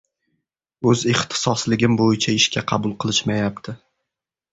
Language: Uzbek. "O`z ixtisosligim bo`yicha ishga qabul qilishmayapti"